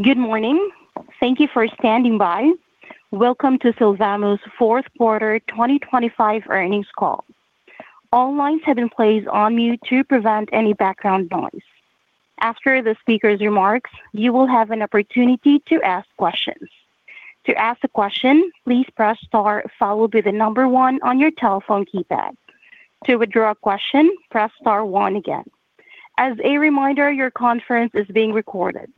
Good morning. Thank you for standing by. Welcome to Sylvamo's fourth quarter 2025 earnings call. All lines have been placed on mute to prevent any background noise. After the speaker's remarks, you will have an opportunity to ask questions. To ask a question, please press * followed by the number 1 on your telephone keypad. To withdraw a question, press * 1 again. As a reminder, your conference is being recorded.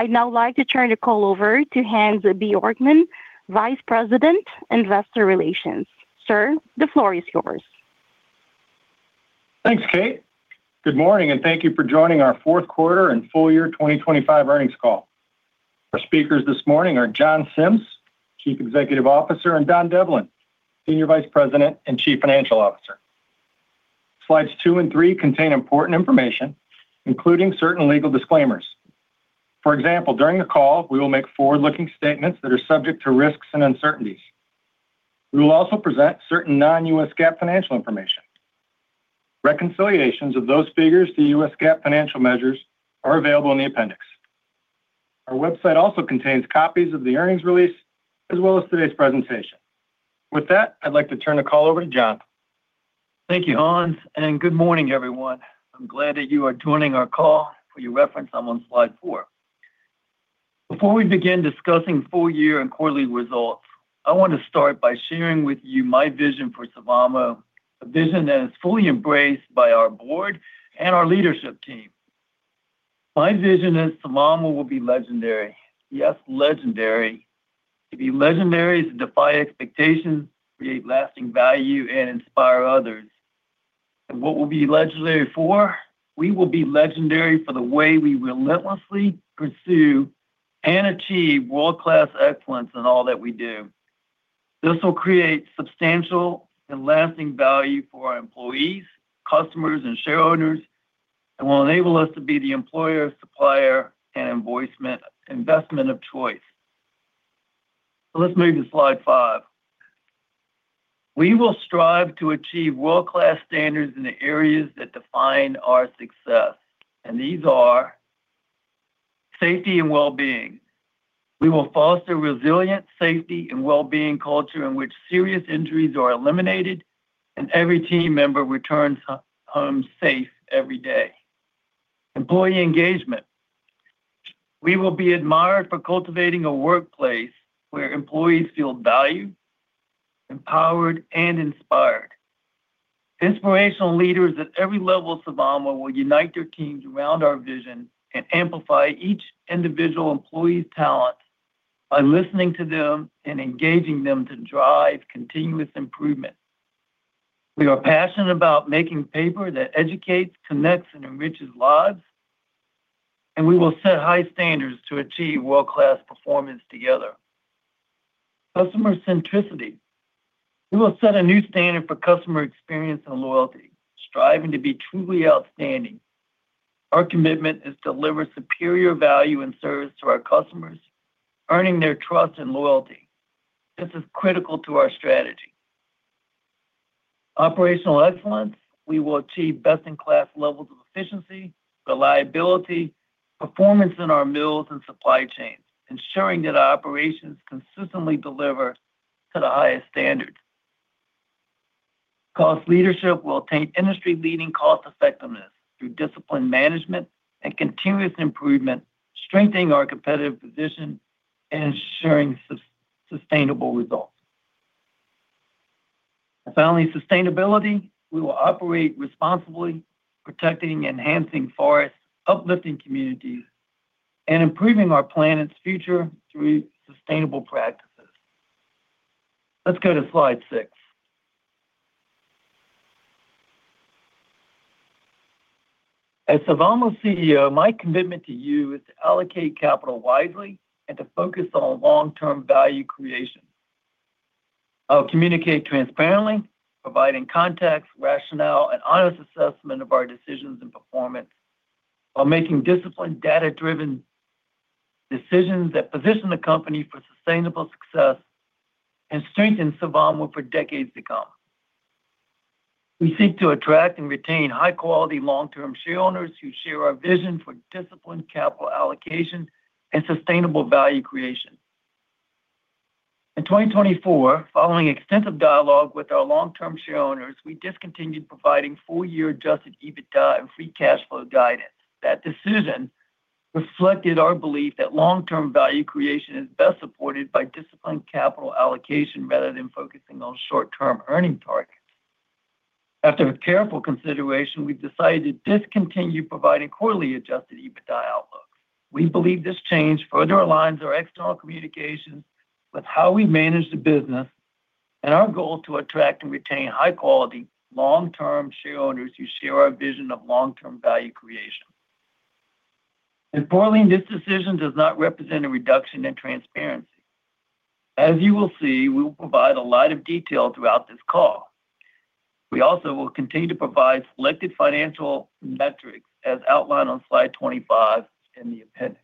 I'd now like to turn the call over to Hans Bjorkman, Vice President, Investor Relations. Sir, the floor is yours. Thanks, Kate. Good morning and thank you for joining our fourth quarter and full year 2025 earnings call. Our speakers this morning are John Sims, Chief Executive Officer, and Don Devlin, Senior Vice President and Chief Financial Officer. Slides 2 and 3 contain important information, including certain legal disclaimers. For example, during the call, we will make forward-looking statements that are subject to risks and uncertainties. We will also present certain non-GAAP financial information. Reconciliations of those figures to US GAAP financial measures are available in the appendix. Our website also contains copies of the earnings release, as well as today's presentation. With that, I'd like to turn the call over to John. Thank you, Hans, and good morning, everyone. I'm glad that you are joining our call. For your reference, I'm on slide four. Before we begin discussing full year and quarterly results, I want to start by sharing with you my vision for Sylvamo, a vision that is fully embraced by our board and our leadership team. My vision is Sylvamo will be legendary. Yes, legendary. To be legendary is to defy expectations, create lasting value, and inspire others. And what we'll be legendary for? We will be legendary for the way we relentlessly pursue and achieve world-class excellence in all that we do. This will create substantial and lasting value for our employees, customers, and shareholders and will enable us to be the employer, supplier, and investment of choice. So, let's move to slide five. We will strive to achieve world-class standards in the areas that define our success, and these are safety and well-being. We will foster resilient safety and well-being culture in which serious injuries are eliminated, and every team member returns home safe every day. Employee engagement. We will be admired for cultivating a workplace where employees feel valued, empowered, and inspired. Inspirational leaders at every level of Sylvamo will unite their teams around our vision and amplify each individual employee's talent by listening to them and engaging them to drive continuous improvement. We are passionate about making paper that educates, connects, and enriches lives, and we will set high standards to achieve world-class performance together. Customer centricity. We will set a new standard for customer experience and loyalty, striving to be truly outstanding. Our commitment is to deliver superior value and service to our customers, earning their trust and loyalty. This is critical to our strategy. Operational excellence. We will achieve best-in-class levels of efficiency, reliability, performance in our mills and supply chains, ensuring that our operations consistently deliver to the highest standards. Cost leadership will attain industry-leading cost-effectiveness through disciplined management and continuous improvement, strengthening our competitive position and ensuring sustainable results. Finally, sustainability. We will operate responsibly, protecting and enhancing forests, uplifting communities, and improving our planet's future through sustainable practices. Let's go to slide six. As Sylvamo's CEO, my commitment to you is to allocate capital wisely and to focus on long-term value creation. I'll communicate transparently, providing context, rationale, and honest assessment of our decisions and performance while making disciplined, data-driven decisions that position the company for sustainable success and strengthen Sylvamo for decades to come. We seek to attract and retain high-quality, long-term shareholders who share our vision for disciplined capital allocation and sustainable value creation. In 2024, following extensive dialogue with our long-term shareholders, we discontinued providing full-year Adjusted EBITDA and free cash flow guidance. That decision reflected our belief that long-term value creation is best supported by disciplined capital allocation rather than focusing on short-term earnings targets. After careful consideration, we've decided to discontinue providing quarterly Adjusted EBITDA outlook. We believe this change further aligns our external communications with how we manage the business and our goal to attract and retain high-quality, long-term shareholders who share our vision of long-term value creation. Importantly, this decision does not represent a reduction in transparency. As you will see, we will provide a lot of detail throughout this call. We also will continue to provide selected financial metrics as outlined on Slide 25 in the appendix.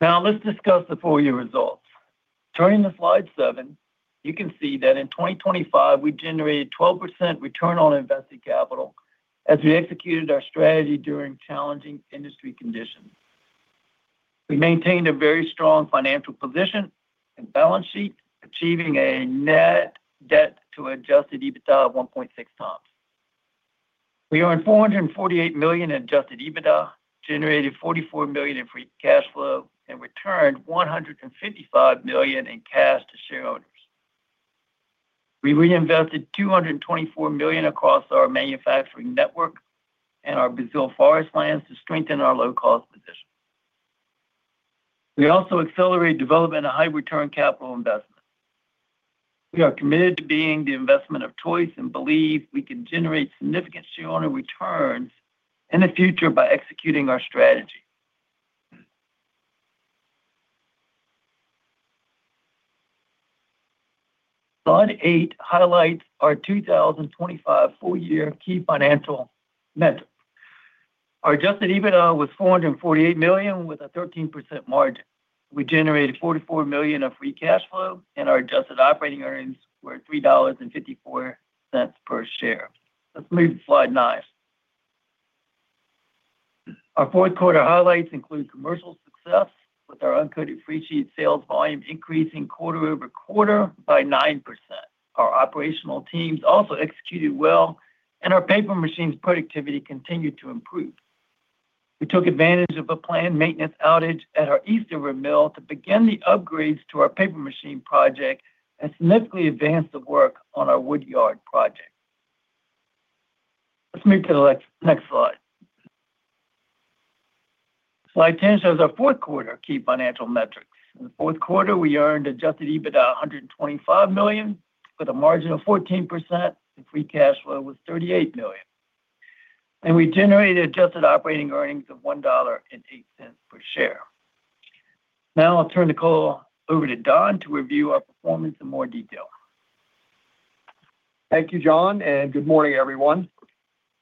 Now let's discuss the full year results. Turning to Slide 7, you can see that in 2025, we generated 12% return on invested capital as we executed our strategy during challenging industry conditions. We maintained a very strong financial position and balance sheet, achieving a net debt to adjusted EBITDA of 1.6 times. We earned $448 million in adjusted EBITDA, generated $44 million in free cash flow, and returned $155 million in cash to shareholders. We reinvested $224 million across our manufacturing network and our Brazil forest plans to strengthen our low-cost position. We also accelerated development of high return capital investment. We are committed to being the investment of choice and believe we can generate significant shareholder returns in the future by executing our strategy. Slide 8 highlights our 2025 full-year key financial metrics. Our Adjusted EBITDA was $448 million with a 13% margin. We generated $44 million of free cash flow, and our adjusted operating earnings were $3.54 per share. Let's move to slide 9. Our fourth quarter highlights include commercial success, with our uncoated freesheet sales volume increasing quarter-over-quarter by 9%. Our operational teams also executed well, and our paper machines' productivity continued to improve. We took advantage of a planned maintenance outage at our Eastover mill to begin the upgrades to our paper machine project and significantly advance the work on our woodyard project. Let's move to the next slide. Slide 10 shows our fourth quarter key financial metrics. In the fourth quarter, we earned adjusted EBITDA, $125 million, with a margin of 14%, and free cash flow was $38 million. We generated adjusted operating earnings of $1.08 per share. Now I'll turn the call over to Don to review our performance in more detail. Thank you, John, and good morning, everyone.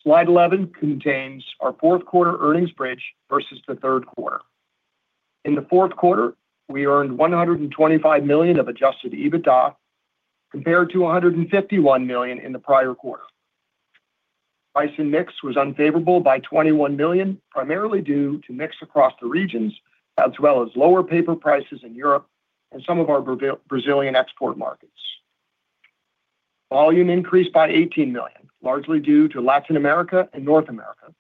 Slide 11 contains our fourth quarter earnings bridge versus the third quarter. In the fourth quarter, we earned $125 million of adjusted EBITDA, compared to $151 million in the prior quarter. Price and mix was unfavorable by $21 million, primarily due to mix across the regions, as well as lower paper prices in Europe and some of our Brazilian export markets. Volume increased by $18 million, largely due to Latin America and North America.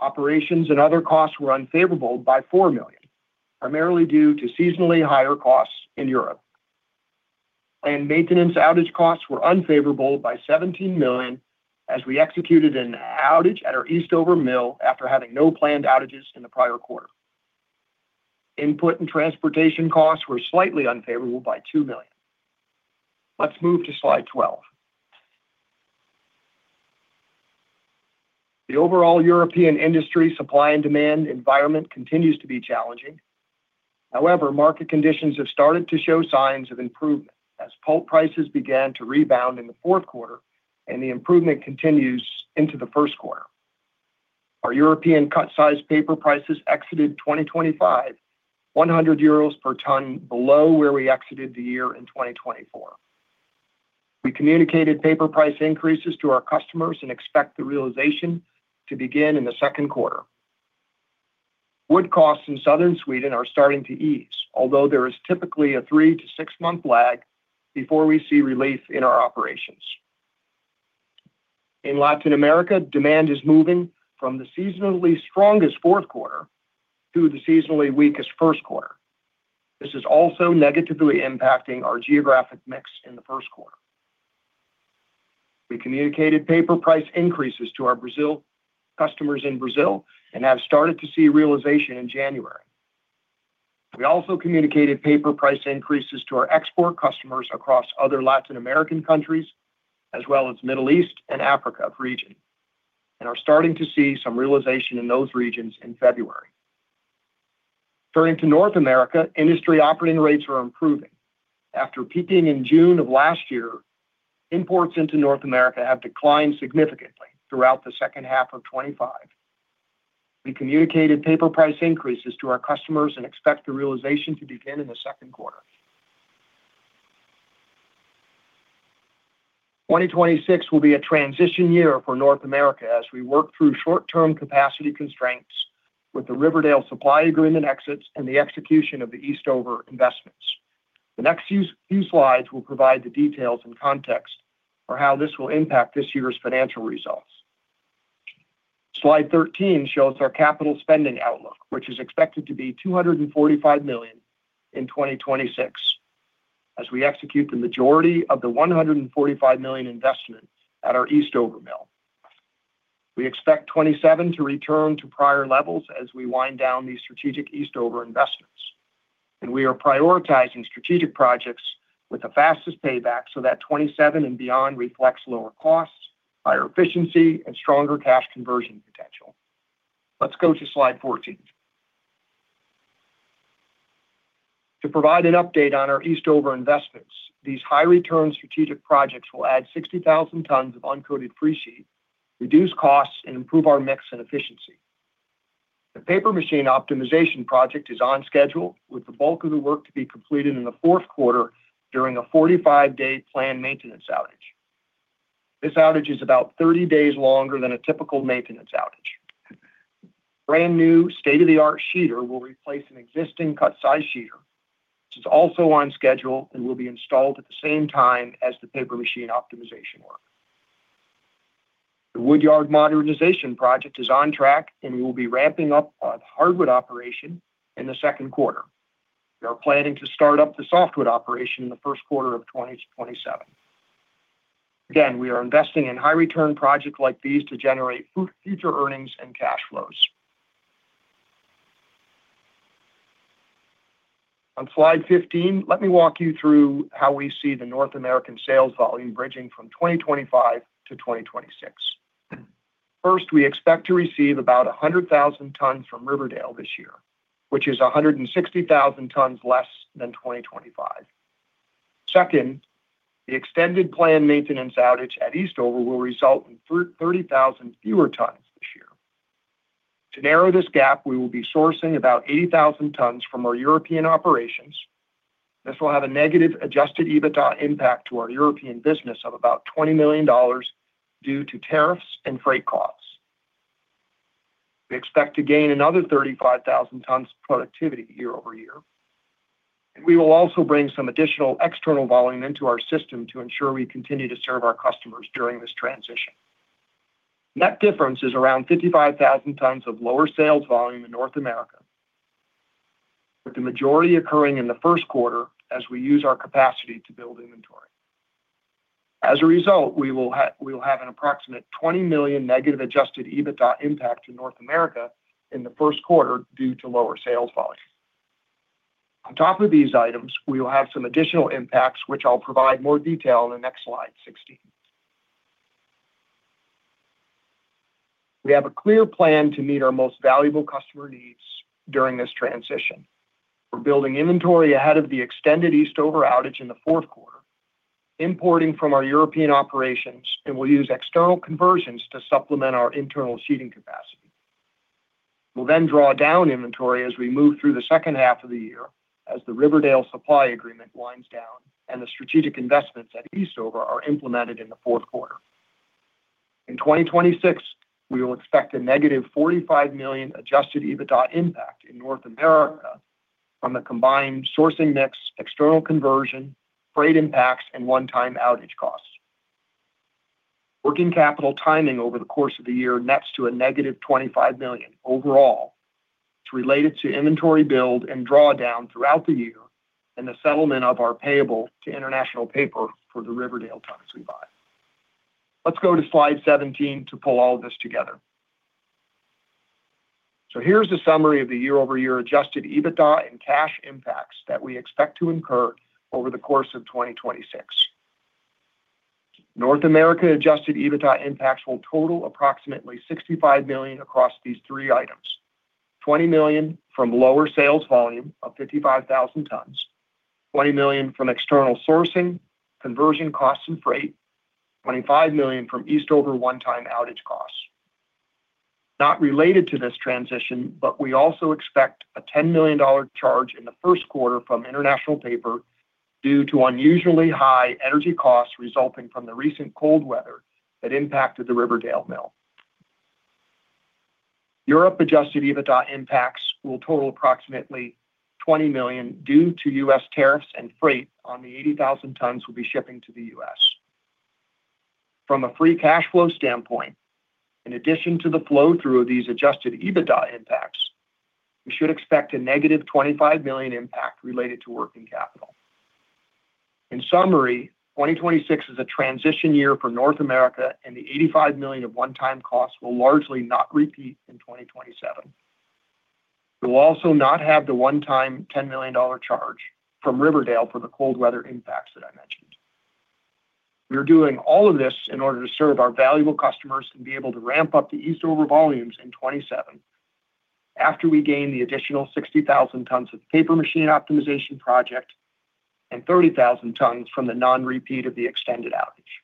Operations and other costs were unfavorable by $4 million, primarily due to seasonally higher costs in Europe. Maintenance outage costs were unfavorable by $17 million, as we executed an outage at our Eastover mill after having no planned outages in the prior quarter. Input and transportation costs were slightly unfavorable by $2 million. Let's move to slide 12. The overall European industry supply and demand environment continues to be challenging. However, market conditions have started to show signs of improvement as pulp prices began to rebound in the fourth quarter, and the improvement continues into the first quarter. Our European cut-size paper prices exited 2025, 100 euros per ton below where we exited the year in 2024. We communicated paper price increases to our customers and expect the realization to begin in the second quarter. Wood costs in Southern Sweden are starting to ease, although there is typically a 3-6-month lag before we see relief in our operations. In Latin America, demand is moving from the seasonally strongest fourth quarter to the seasonally weakest first quarter. This is also negatively impacting our geographic mix in the first quarter. We communicated paper price increases to our customers in Brazil and have started to see realization in January. We also communicated paper price increases to our export customers across other Latin American countries, as well as Middle East and Africa region, and are starting to see some realization in those regions in February. Turning to North America, industry operating rates are improving. After peaking in June of last year, imports into North America have declined significantly throughout the second half of 2025. We communicated paper price increases to our customers and expect the realization to begin in the second quarter. 2026 will be a transition year for North America as we work through short-term capacity constraints with the Riverdale supply agreement exits and the execution of the Eastover investments. The next few slides will provide the details and context for how this will impact this year's financial results. Slide 13 shows our capital spending outlook, which is expected to be $245 million in 2026, as we execute the majority of the $145 million investment at our Eastover Mill. We expect 2027 to return to prior levels as we wind down these strategic Eastover investments, and we are prioritizing strategic projects with the fastest payback so that 2027 and beyond reflects lower costs, higher efficiency, and stronger cash conversion potential. Let's go to slide 14. To provide an update on our Eastover investments, these high-return strategic projects will add 60,000 tons of uncoated freesheet, reduce costs, and improve our mix and efficiency. The paper machine optimization project is on schedule, with the bulk of the work to be completed in the fourth quarter during a 45-day planned maintenance outage. This outage is about 30 days longer than a typical maintenance outage. Brand-new, state-of-the-art sheeter will replace an existing cut-size sheeter, which is also on schedule and will be installed at the same time as the paper machine optimization work. The woodyard modernization project is on track, and we will be ramping up our hardwood operation in the second quarter. We are planning to start up the softwood operation in the first quarter of 2027. Again, we are investing in high-return projects like these to generate future earnings and cash flows. On slide 15, let me walk you through how we see the North American sales volume bridging from 2025 to 2026. First, we expect to receive about 100,000 tons from Riverdale this year, which is 160,000 tons less than 2025. Second, the extended planned maintenance outage at Eastover will result in thirty thousand fewer tons this year. To narrow this gap, we will be sourcing about 80,000 tons from our European operations. This will have a negative Adjusted EBITDA impact to our European business of about $20 million due to tariffs and freight costs. We expect to gain another 35,000 tons of productivity year-over-year. We will also bring some additional external volume into our system to ensure we continue to serve our customers during this transition. Net difference is around 55,000 tons of lower sales volume in North America, with the majority occurring in the first quarter as we use our capacity to build inventory. As a result, we will have an approximate $20 million negative Adjusted EBITDA impact in North America in the first quarter due to lower sales volume. On top of these items, we will have some additional impacts, which I'll provide more detail in the next slide, 16. We have a clear plan to meet our most valuable customer needs during this transition. We're building inventory ahead of the extended Eastover outage in the fourth quarter, importing from our European operations, and we'll use external conversions to supplement our internal sheeting capacity. We'll then draw down inventory as we move through the second half of the year as the Riverdale supply agreement winds down and the strategic investments at Eastover are implemented in the fourth quarter. In 2026, we will expect a negative $45 million adjusted EBITDA impact in North America from the combined sourcing mix, external conversion, freight impacts, and one-time outage costs. Working capital timing over the course of the year nets to a negative $25 million overall. It's related to inventory build and draw down throughout the year and the settlement of our payable to International Paper for the Riverdale tons we buy. Let's go to slide 17 to pull all this together. So, here's the summary of the year-over-year adjusted EBITDA and cash impacts that we expect to incur over the course of 2026. North America adjusted EBITDA impacts will total approximately $65 million across these three items: $20 million from lower sales volume of 55,000 tons, $20 million from external sourcing, conversion costs, and freight, $25 million from Eastover one-time outage costs. Not related to this transition, but we also expect a $10 million charge in the first quarter from International Paper due to unusually high energy costs resulting from the recent cold weather that impacted the Riverdale mill. Europe Adjusted EBITDA impacts will total approximately $20 million due to U.S. tariffs and freight on the 80,000 tons we'll be shipping to the U.S. From a free cash flow standpoint, in addition to the flow-through of these Adjusted EBITDA impacts, we should expect a negative $25 million impact related to working capital. In summary, 2026 is a transition year for North America, and the $85 million of one-time costs will largely not repeat in 2027. We'll also not have the one-time $10 million charge from Riverdale for the cold weather impacts that I mentioned. We are doing all of this in order to serve our valuable customers and be able to ramp up the Eastover volumes in 2027 after we gain the additional 60,000 tons of paper machine optimization project and 30,000 tons from the non-repeat of the extended outage.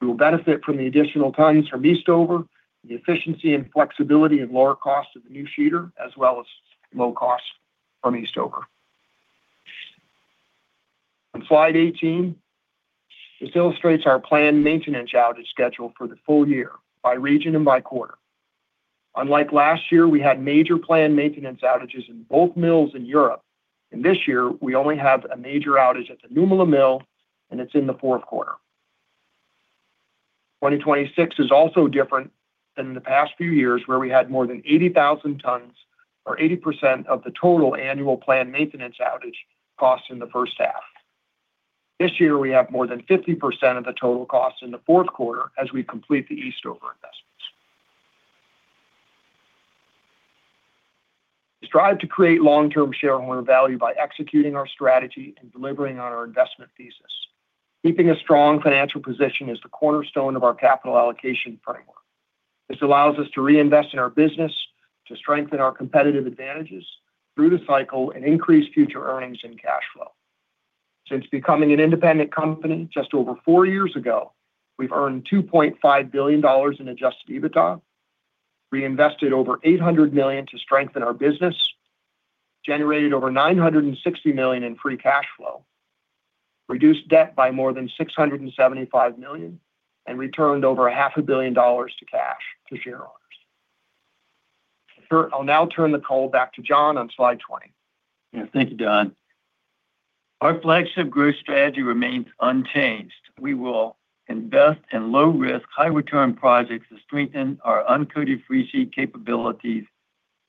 We will benefit from the additional tons from Eastover, the efficiency and flexibility and lower cost of the new sheeter, as well as low cost from Eastover. On slide 18, this illustrates our planned maintenance outage schedule for the full year by region and by quarter. Unlike last year, we had major planned maintenance outages in both mills in Europe, and this year we only have a major outage at the Nymölla mill, and it's in the fourth quarter. 2026 is also different than the past few years, where we had more than 80,000 tons or 80% of the total annual planned maintenance outage costs in the first half. This year, we have more than 50% of the total costs in the fourth quarter as we complete the Eastover investments. We strive to create long-term shareholder value by executing our strategy and delivering on our investment thesis. Keeping a strong financial position is the cornerstone of our capital allocation framework.... This allows us to reinvest in our business, to strengthen our competitive advantages through the cycle and increase future earnings and cash flow. Since becoming an independent company just over four years ago, we've earned $2.5 billion in Adjusted EBITDA, reinvested over $800 million to strengthen our business, generated over $960 million in free cash flow, reduced debt by more than $675 million, and returned over half a billion dollars to cash to shareowners. Sure, I'll now turn the call back to John on slide 20. Yeah. Thank you, Don. Our flagship growth strategy remains unchanged. We will invest in low-risk, high-return projects to strengthen our uncoated freesheet capabilities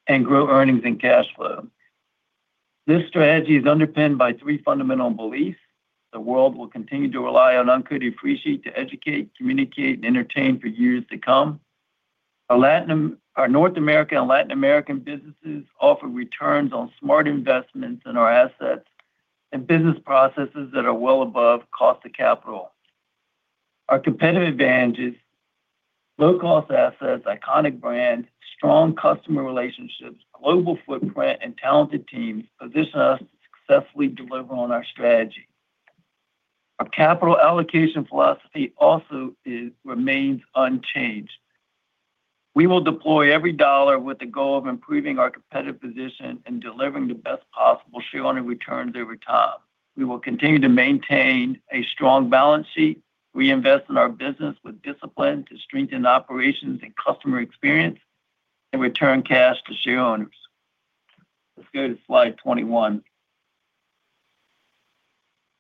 and grow earnings and cash flow. This strategy is underpinned by three fundamental beliefs. The world will continue to rely on uncoated freesheet to educate, communicate, and entertain for years to come. Our North American and Latin American businesses offer returns on smart investments in our assets and business processes that are well above cost of capital. Our competitive advantages, low-cost assets, iconic brands, strong customer relationships, global footprint, and talented teams position us to successfully deliver on our strategy. Our capital allocation philosophy also is, remains unchanged. We will deploy every dollar with the goal of improving our competitive position and delivering the best possible shareowner returns over time. We will continue to maintain a strong balance sheet, reinvest in our business with discipline to strengthen operations and customer experience, and return cash to shareowners. Let's go to slide 21.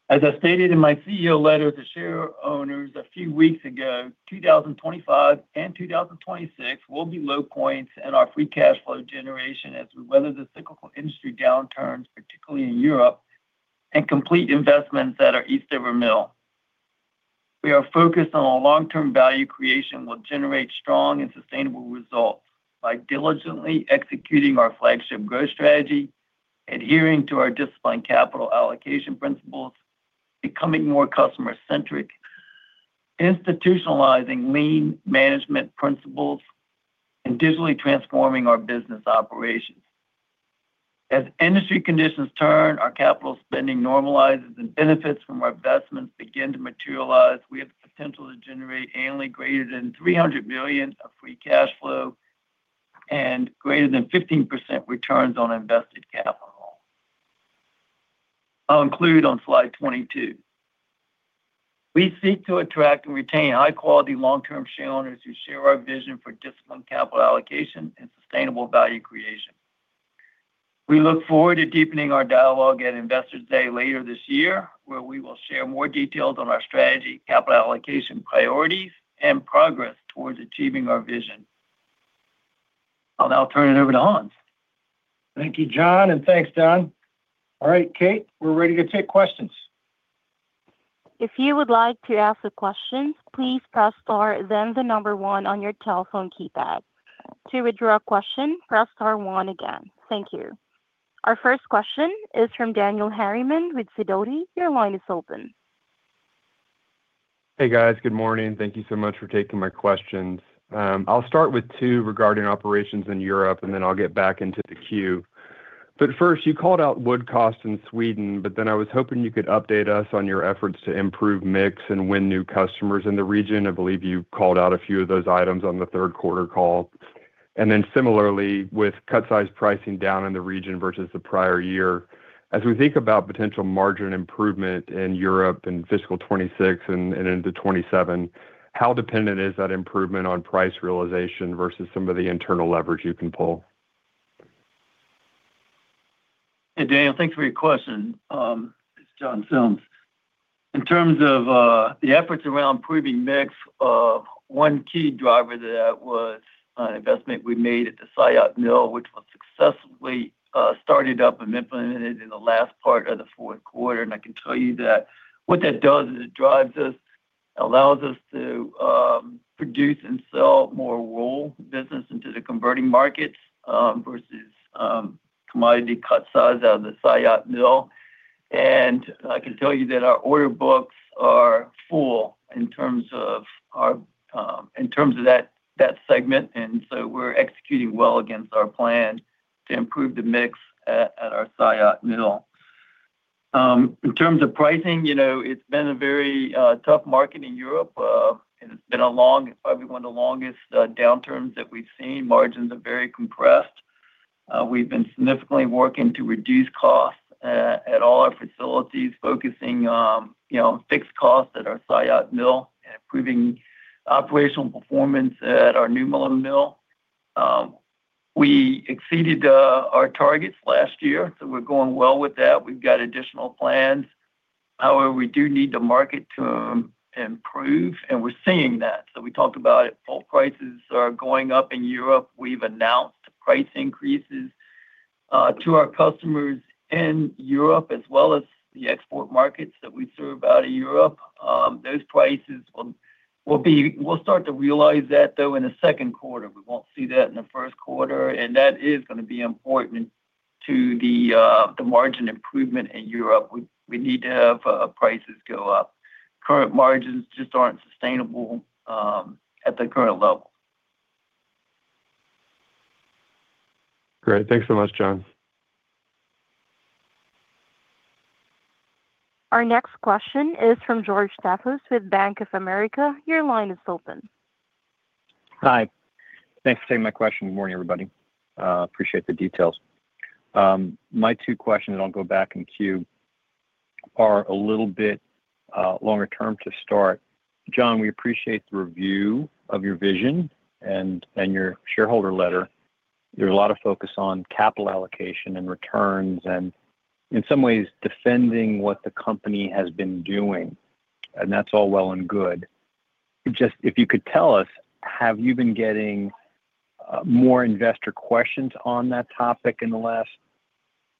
As I stated in my CEO letter to shareowners a few weeks ago, 2025 and 2026 will be low points in our free cash flow generation as we weather the cyclical industry downturns, particularly in Europe, and complete investments at our Eastover mill. We are focused on a long-term value creation will generate strong and sustainable results by diligently executing our flagship growth strategy, adhering to our disciplined capital allocation principles, becoming more customer-centric, institutionalizing lean management principles, and digitally transforming our business operations. As industry conditions turn, our capital spending normalizes, and benefits from our investments begin to materialize, we have the potential to generate annually greater than $300 million of free cash flow and greater than 15% returns on invested capital. I'll include on slide 22. We seek to attract and retain high-quality, long-term shareowners who share our vision for disciplined capital allocation and sustainable value creation. We look forward to deepening our dialogue at Investors Day later this year, where we will share more details on our strategy, capital allocation priorities, and progress towards achieving our vision. I'll now turn it over to Hans. Thank you, John, and thanks, Don. All right, Kate, we're ready to take questions. If you would like to ask a question, please press star, then the number one on your telephone keypad. To withdraw a question, press star one again. Thank you. Our first question is from Daniel Harriman with Sidoti. Your line is open. Hey, guys. Good morning. Thank you so much for taking my questions. I'll start with two regarding operations in Europe, and then I'll get back into the queue. But first, you called out wood cost in Sweden, but then I was hoping you could update us on your efforts to improve mix and win new customers in the region. I believe you called out a few of those items on the third quarter call. And then similarly, with cut size pricing down in the region versus the prior year, as we think about potential margin improvement in Europe in fiscal 2026 and into 2027, how dependent is that improvement on price realization versus some of the internal leverage you can pull? Hey, Daniel, thanks for your question. It's John Sims. In terms of the efforts around improving mix, one key driver to that was an investment we made at the Saillat Mill, which was successfully started up and implemented in the last part of the fourth quarter. And I can tell you that what that does is it drives us, allows us to produce and sell more roll business into the converting market versus commodity cut size out of the Saillat Mill. And I can tell you that our order books are full in terms of our, in terms of that, that segment, and so we're executing well against our plan to improve the mix at our Saillat Mill. In terms of pricing, you know, it's been a very tough market in Europe, and it's been a long... Probably one of the longest downturns that we've seen. Margins are very compressed. We've been significantly working to reduce costs at all our facilities, focusing, you know, on fixed costs at our Saillat Mill and improving operational performance at our Nymölla Mill. We exceeded our targets last year, so we're going well with that. We've got additional plans. However, we do need the market to improve, and we're seeing that. So, we talked about it. Pulp prices are going up in Europe. We've announced price increases to our customers in Europe, as well as the export markets that we serve out of Europe. Those prices will, we'll start to realize that, though, in the second quarter. We won't see that in the first quarter, and that is gonna be important to the margin improvement in Europe. We need to have prices go up. Current margins just aren't sustainable at the current level. Great. Thanks so much, John. Our next question is from George Staphos with Bank of America. Your line is open. Hi. Thanks for taking my question. Good morning, everybody. Appreciate the details. My two questions, and I'll go back in queue, are a little bit longer term to start. John, we appreciate the review of your vision and your shareholder letter. There are a lot of focus on capital allocation and returns, and in some ways defending what the company has been doing, and that's all well and good. Just if you could tell us, have you been getting more investor questions on that topic in the last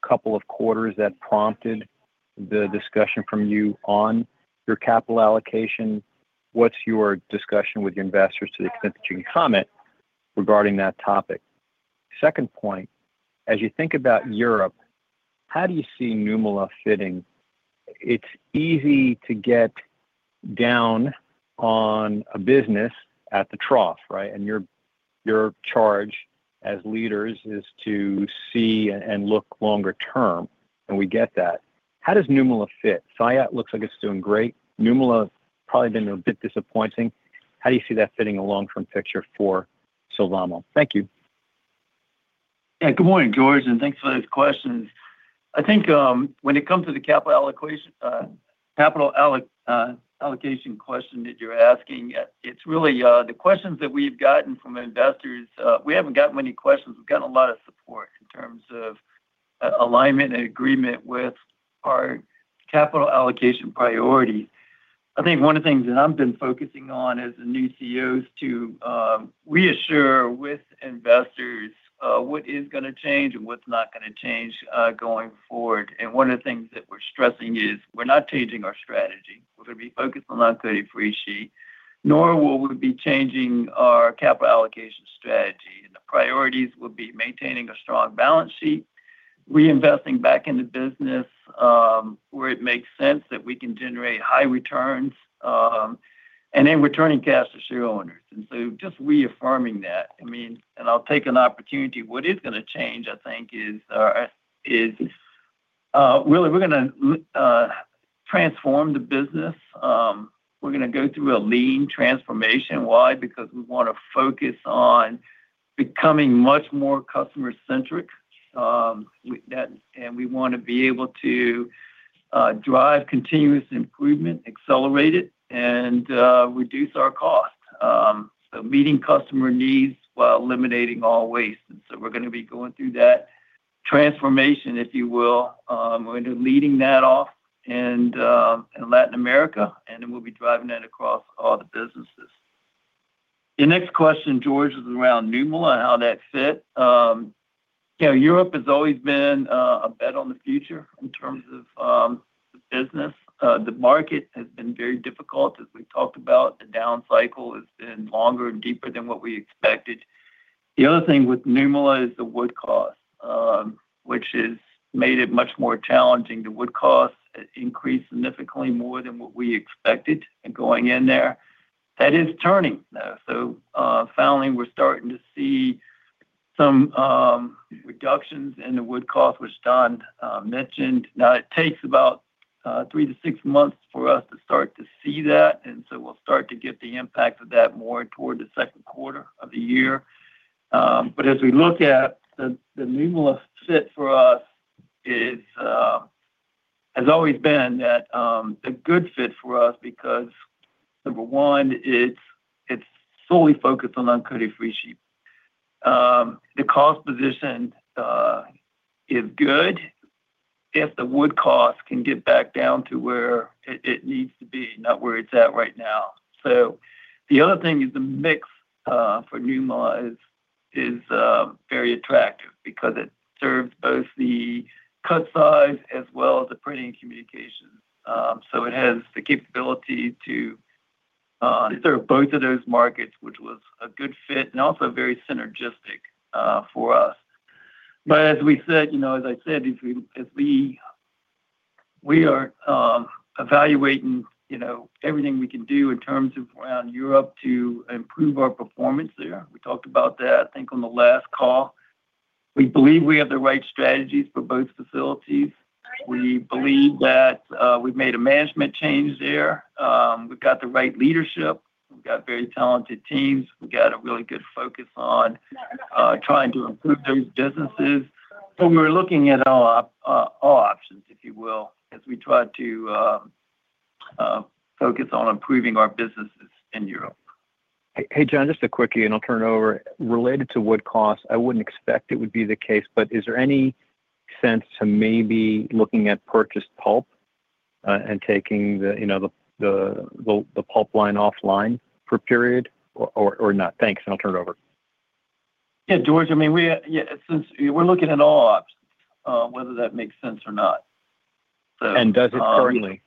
couple of quarters that prompted the discussion from you on your capital allocation? What's your discussion with your investors, to the extent that you can comment regarding that topic? Second point, as you think about Europe, how do you see Nymölla fitting? It's easy to get down on a business at the trough, right? Your charge as leaders is to see and look longer term, and we get that. How does Nymölla fit? Saillat looks like it's doing great. Nymölla probably been a bit disappointing. How do you see that fitting in the long-term picture for Sylvamo? Thank you. Yeah. Good morning, George, and thanks for those questions. I think, when it comes to the capital allocation question that you're asking, it's really the questions that we've gotten from investors. We haven't gotten many questions. We've gotten a lot of support in terms of alignment and agreement with our capital allocation priority. I think one of the things that I've been focusing on as a new CEO is to reassure with investors what is gonna change and what's not gonna change going forward. And one of the things that we're stressing is we're not changing our strategy. We're gonna be focused on uncoated freesheet, nor will we be changing our capital allocation strategy. And the priorities will be maintaining a strong balance sheet, reinvesting back in the business, where it makes sense that we can generate high returns, and then returning cash to share owners. And so, just reaffirming that. I mean, and I'll take an opportunity. What is gonna change, I think, is really we're gonna transform the business. We're gonna go through a Lean transformation. Why? Because we wanna focus on becoming much more customer-centric, with that, and we wanna be able to drive continuous improvement, accelerate it, and reduce our cost. So, meeting customer needs while eliminating all waste. And so, we're gonna be going through that transformation, if you will. We're leading that off in Latin America, and then we'll be driving that across all the businesses. The next question, George, is around Nymölla and how that fit. You know, Europe has always been, a bet on the future in terms of, the business. The market has been very difficult. As we talked about, the down cycle has been longer and deeper than what we expected. The other thing with Nymölla is the wood cost, which has made it much more challenging. The wood cost has increased significantly more than what we expected going in there. That is turning now, so, finally, we're starting to see some, reductions in the wood cost, which Don, mentioned. Now, it takes about, three to six months for us to start to see that, and so. we'll start to get the impact of that more toward the second quarter of the year. But as we look at the Nymölla fit for us is has always been that a good fit for us, because number one, it's fully focused on uncoated freesheet. The cost position is good if the wood cost can get back down to where it needs to be, not where it's at right now. So, the other thing is the mix for Nymölla is very attractive because it serves both the cut size as well as the printing and communication. So, it has the capability to serve both of those markets, which was a good fit and also very synergistic for us. But as we said, you know, as I said, if we as we are evaluating, you know, everything we can do in terms of around Europe to improve our performance there. We talked about that, I think, on the last call. We believe we have the right strategies for both facilities. We believe that we've made a management change there. We've got the right leadership, we've got very talented teams, we've got a really good focus on trying to improve those businesses. But we're looking at all options, if you will, as we try to focus on improving our businesses in Europe. Hey, John, just a quickie and I'll turn it over. Related to wood costs, I wouldn't expect it would be the case, but is there any sense to maybe looking at purchased pulp and taking the, you know, the pulp line offline for a period or not? Thanks, and I'll turn it over. Yeah, George, I mean, we yeah, since we're looking at all ops, whether that makes sense or not, so- Does it currently?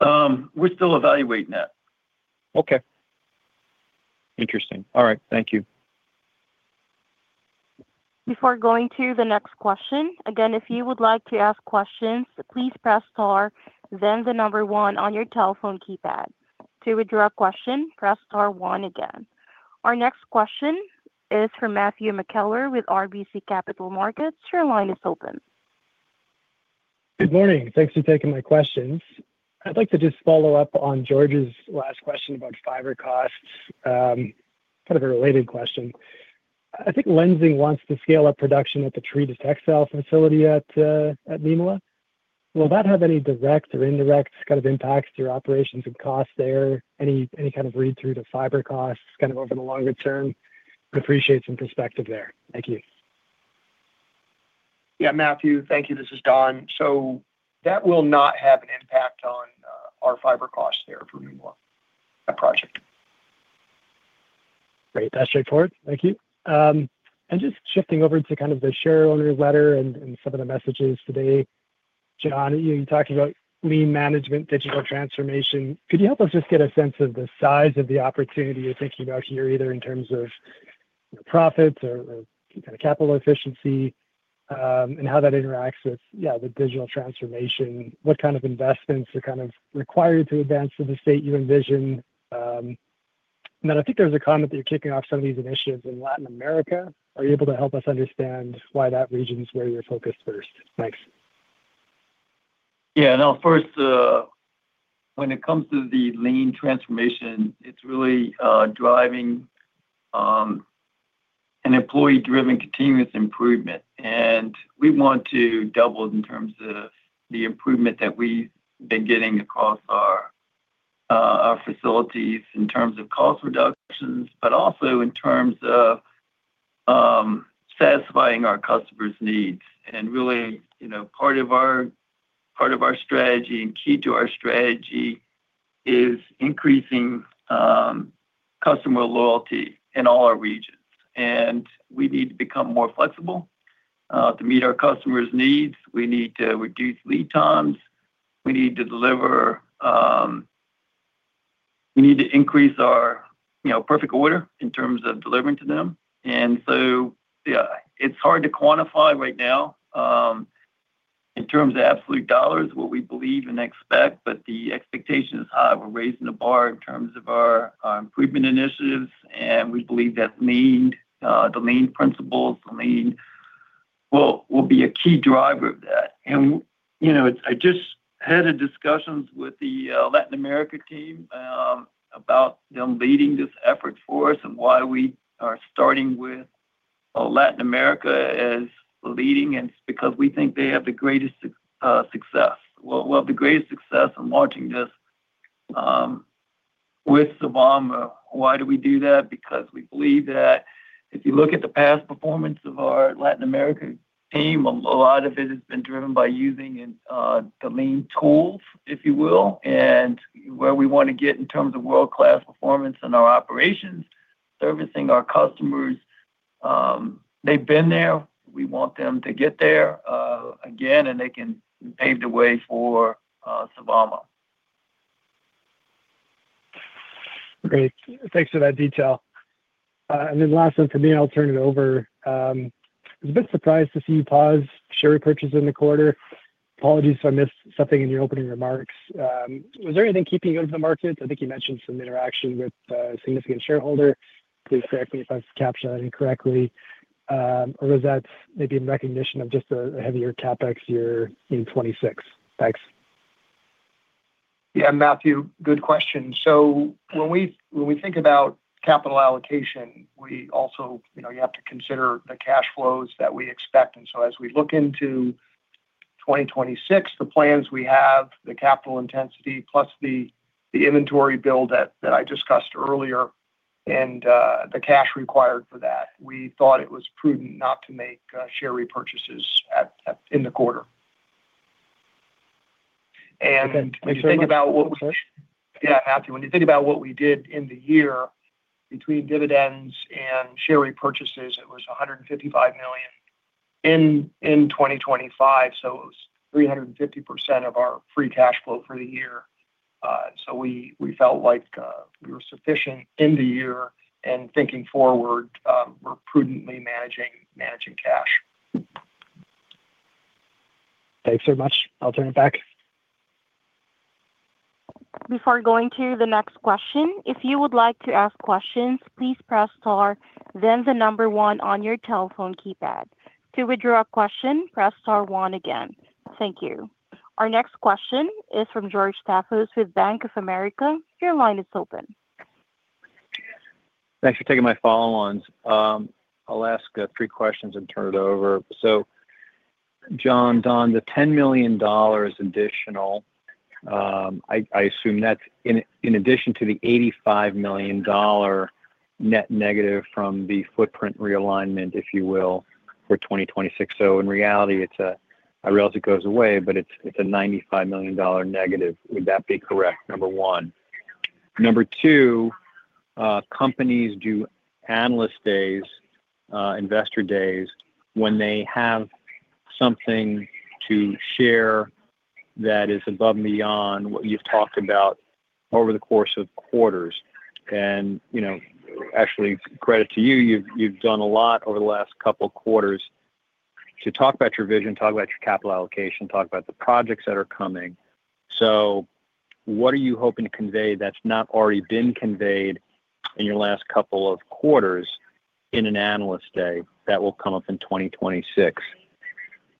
We're still evaluating that. Okay. Interesting. All right. Thank you. Before going to the next question, again, if you would like to ask questions, please press * then the number 1 on your telephone keypad. To withdraw a question, press * 1 again. Our next question is from Matthew McKellar with RBC Capital Markets. Your line is open. Good morning. Thanks for taking my questions. I'd like to just follow up on George's last question about fiber costs, kind of a related question. I think Lenzing wants to scale up production at the Trevis textile facility at Nymölla. Will that have any direct or indirect kind of impacts to your operations and costs there? Any kind of read-through to fiber costs, kind of over the longer term? I'd appreciate some perspective there. Thank you. Yeah, Matthew, thank you. This is Don. So that will not have an impact on our fiber costs there for Nymölla, that project. Great, that's straightforward. Thank you. And just shifting over to kind of the shareholder letter and some of the messages today. John, you talked about lean management, digital transformation. Could you help us just get a sense of the size of the opportunity you're thinking about here, either in terms of profits or kind of capital efficiency, and how that interacts with, yeah, the digital transformation? What kind of investments are kind of required to advance to the state you envision? And then I think there was a comment that you're kicking off some of these initiatives in Latin America. Are you able to help us understand why that region is where you're focused first? Thanks. Yeah, no, first, when it comes to the lean transformation, it's really driving an employee-driven continuous improvement. And we want to double in terms of the improvement that we've been getting across our facilities in terms of cost reductions, but also in terms of satisfying our customers' needs. And really, you know, part of our strategy and key to our strategy is increasing customer loyalty in all our regions. And we need to become more flexible to meet our customers' needs. We need to reduce lead times. We need to deliver... We need to increase our, you know, perfect order in terms of delivering to them. And so, yeah, it's hard to quantify right now in terms of absolute dollars, what we believe and expect, but the expectation is high. We're raising the bar in terms of our improvement initiatives, and we believe that Lean, the Lean principles, the Lean will be a key driver of that. And, you know, I just had discussions with the Latin America team about them leading this effort for us and why we are starting with Latin America as leading, and it's because we think they have the greatest suc-- success. Well, the greatest success in launching this with Sabana. Why do we do that? Because we believe that if you look at the past performance of our Latin American team, a lot of it has been driven by using the Lean tools, if you will, and where we want to get in terms of world-class performance in our operations, servicing our customers, they've been there. We want them to get there again, and they can pave the way for Sabana. Great. Thanks for that detail. And then last one for me, I'll turn it over. I was a bit surprised to see you pause share repurchases in the quarter. Apologies if I missed something in your opening remarks. Was there anything keeping you out of the market? I think you mentioned some interaction with a significant shareholder. Please correct me if I've captured that incorrectly. Or was that maybe in recognition of just a heavier CapEx year in 2026? Thanks. Yeah, Matthew, good question. So, when we think about capital allocation, we also, you know, you have to consider the cash flows that we expect. And so, as we look into 2026, the plans we have, the capital intensity, plus the inventory build that I discussed earlier and the cash required for that, we thought it was prudent not to make share repurchases at--in the quarter. Okay. If you think about what- Sorry. Yeah, Matthew, when you think about what we did in the year, between dividends and share repurchases, it was $155 million in 2025, so it was 350% of our free cash flow for the year. So, we felt like we were sufficient in the year and thinking forward, we're prudently managing cash. Thanks so much. I'll turn it back. Before going to the next question, if you would like to ask questions, please press star, then the number one on your telephone keypad. To withdraw a question, press star one again. Thank you. Our next question is from George Staphos with Bank of America. Your line is open. Thanks for taking my follow-ons. I'll ask 3 questions and turn it over. So, John, Don, the $10 million additional, I assume that's in addition to the $85 million net negative from the footprint realignment, if you will, for 2026. So, in reality, it's a reality goes away, but it's a $95 million negative. Would that be correct, number one? Number two, companies do analyst days, investor days, when they have something to share that is above and beyond what you've talked about over the course of quarters. And, you know, actually, credit to you, you've done a lot over the last couple of quarters to talk about your vision, talk about your capital allocation, talk about the projects that are coming. So, what are you hoping to convey that's not already been conveyed in your last couple of quarters in an Analyst Day that will come up in 2026?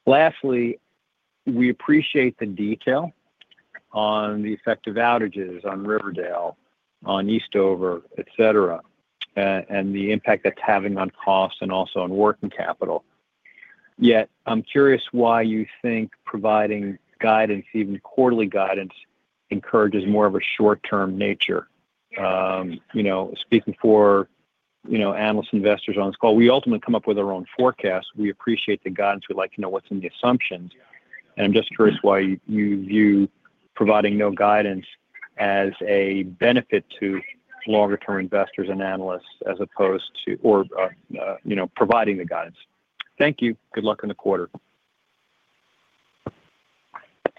Lastly, we appreciate the detail on the effect of outages on Riverdale, on Eastover, et cetera, and the impact that's having on costs and also on working capital. Yet I'm curious why you think providing guidance, even quarterly guidance, encourages more of a short-term nature. You know, speaking for, you know, analyst investors on this call, we ultimately come up with our own forecast. We appreciate the guidance. We'd like to know what's in the assumptions, and I'm just curious why you view providing no guidance as a benefit to longer-term investors and analysts, as opposed to or, you know, providing the guidance. Thank you. Good luck in the quarter.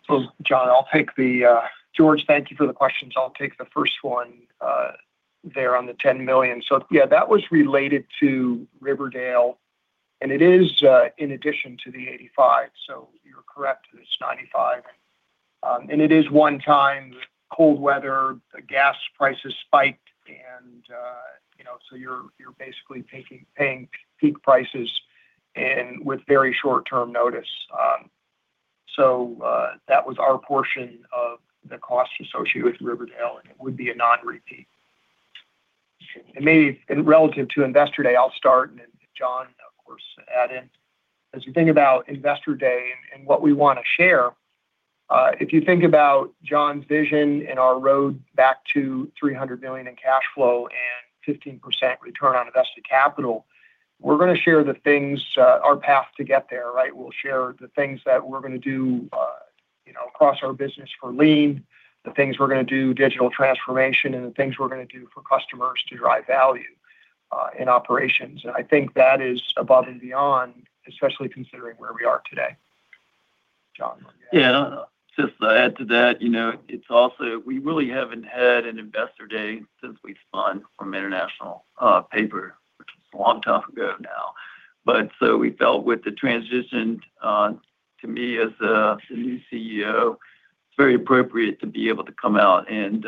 So, John, I'll take the, George, thank you for the questions. I'll take the first one, there on the $10 million. So, yeah, that was related to Riverdale, and it is, in addition to the $85 million. So, you're correct, it's $95 million. And it is one-time. Cold weather, the gas prices spiked, and, you know, so, you're basically paying peak prices and with very short-term notice. So, that was our portion of the cost associated with Riverdale, and it would be a non-repeat. And maybe relative to Investor Day, I'll start, and then John, of course, add in. As we think about Investor Day and what we want to share, if you think about John's vision and our road back to $300 billion in cash flow and 15% return on invested capital, we're gonna share the things, our path to get there, right? We'll share the things that we're gonna do, you know, across our business for lean, the things we're gonna do, digital transformation, and the things we're gonna do for customers to drive value, in operations. And I think that is above and beyond, especially considering where we are today. John? Yeah. Just to add to that, you know, it's also, we really haven't had an Investor Day since we spun from International Paper, which was a long time ago now. But so, we felt with the transition to me as the new CEO, it's very appropriate to be able to come out and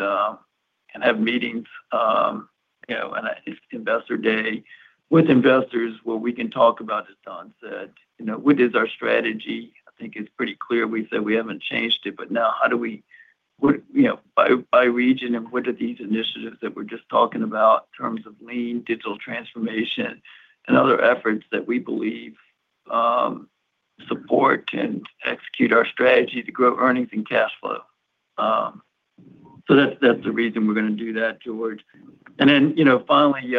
have meetings, you know, and Investor Day with investors where we can talk about, as Don said, you know, what is our strategy? I think it's pretty clear we said we haven't changed it, but now how do we, what, you know, by, by region and what are these initiatives that we're just talking about in terms of Lean, digital transformation, and other efforts that we believe support and execute our strategy to grow earnings and cash flow. So, that's the reason we're gonna do that, George. Then, you know, finally,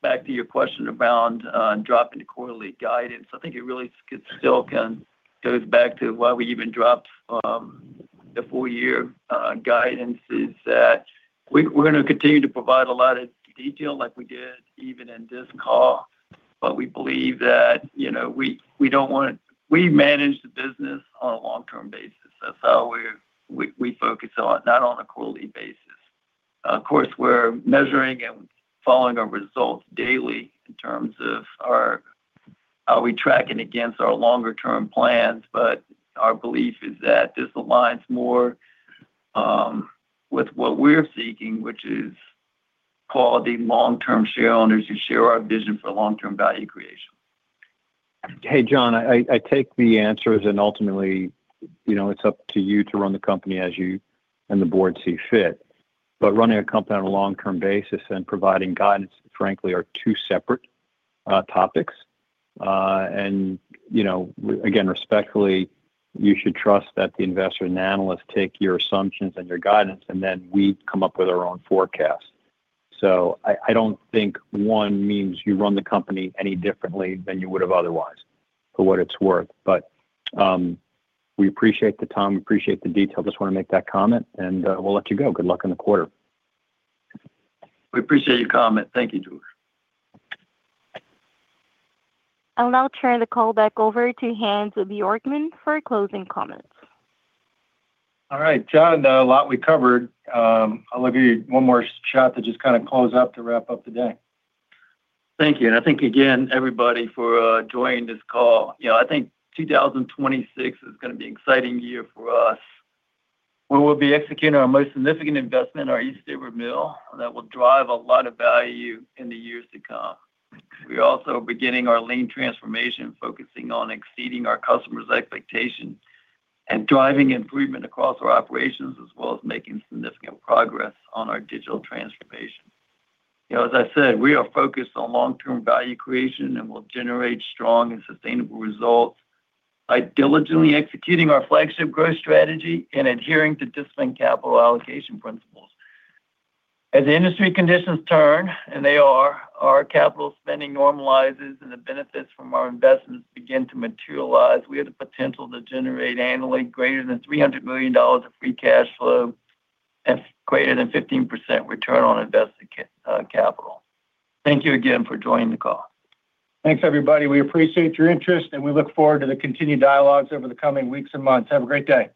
back to your question around dropping the quarterly guidance. I think it really still kind goes back to why we even dropped the full year guidance, is that we're gonna continue to provide a lot of detail like we did even in this call, but we believe that, you know, we don't want... We manage the business on a long-term basis. That's how we focus on, not on a quarterly basis. Of course, we're measuring and following our results daily in terms of are we tracking against our longer-term plans? But our belief is that this aligns more with what we're seeking, which is quality long-term shareowners who share our vision for long-term value creation. Hey, John, I take the answers, and ultimately, you know, it's up to you to run the company as you and the board see fit. But running a company on a long-term basis and providing guidance, frankly, are two separate topics. And, you know, again, respectfully, you should trust that the investor and analyst take your assumptions and your guidance, and then we come up with our own forecast. So, I don't think one means you run the company any differently than you would have otherwise, for what it's worth. But we appreciate the time, appreciate the detail. Just want to make that comment, and we'll let you go. Good luck in the quarter. We appreciate your comment. Thank you, George. I'll now turn the call back over to Hans Bjorkman for closing comments. All right. John, a lot we covered. I'll give you one more shot to just kind of close up, to wrap up the day. Thank you, and I thank again, everybody, for joining this call. You know, I think 2026 is gonna be an exciting year for us, where we'll be executing our most significant investment, our Eastover Mill. That will drive a lot of value in the years to come. We're also beginning our Lean transformation, focusing on exceeding our customers' expectations and driving improvement across our operations, as well as making significant progress on our digital transformation. You know, as I said, we are focused on long-term value creation and will generate strong and sustainable results by diligently executing our flagship growth strategy and adhering to disciplined capital allocation principles. As industry conditions turn, and they are, our capital spending normalizes, and the benefits from our investments begin to materialize, we have the potential to generate annually greater than $300 million of free cash flow and greater than 15% return on invested capital. Thank you again for joining the call. Thanks, everybody. We appreciate your interest, and we look forward to the continued dialogues over the coming weeks and months. Have a great day.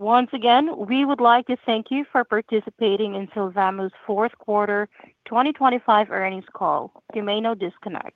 Once again, we would like to thank you for participating in Sylvamo's fourth quarter 2025 earnings call. You may now disconnect.